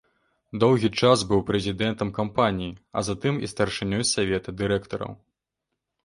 Доўгі час быў прэзідэнтам кампаніі, а затым і старшынёй савета дырэктараў.